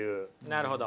なるほど。